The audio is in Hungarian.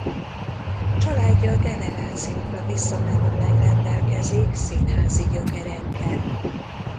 Családja generációkra visszamenőleg rendelkezik színházi gyökerekkel.